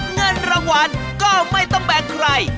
เงินรางวัลก็ไม่ต้องแบกใคร